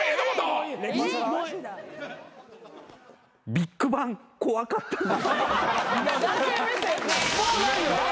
ビッグバン怖かったな。